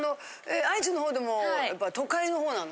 愛知の方でもやっぱ都会の方なの？